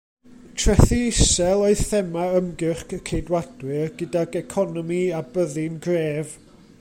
Trethi isel oedd thema ymgyrch y Ceidwadwyr, gydag economi a byddin gref.